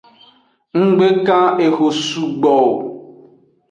Nggbe kan eho sugbo o.